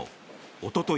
おととい